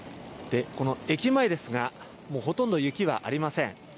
この駅前ですが、ほとんど雪はありません。